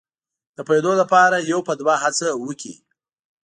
د پوهېدو لپاره یو په دوه هڅه وکړي.